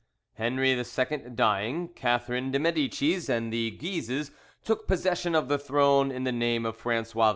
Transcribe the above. Henri II dying, Catherine de Medicis and the Guises took possession of the throne in the name of Francois II.